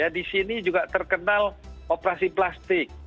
di sini juga terkenal operasi plastik